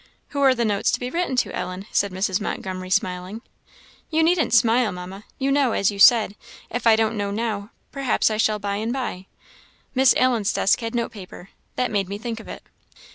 "Who are the notes to be written to, Ellen?" said Mrs. Montgomery smiling. "You needn't smile, Mamma; you know, as you said, if I don't know now, perhaps I shall by and by. Miss Allen's desk had note paper that made me think of it."